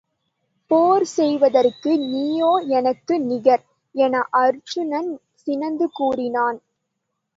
போர் செய்தற்கு நீயோ எனக்கு நிகர்? என அருச்சுனன் சினந்து கூறினான்.